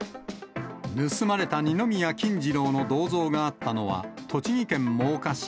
盗まれた二宮金次郎の銅像があったのは、栃木県真岡市。